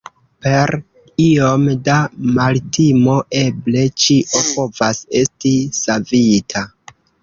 Per iom da maltimo eble ĉio povas esti savita.